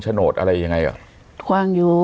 ฉโนตอะไรยังไงอ่ะทวงอยู่